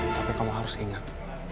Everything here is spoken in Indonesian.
tapi kamu harus ingat